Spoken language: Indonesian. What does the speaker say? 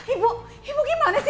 ibu ibu gimana sih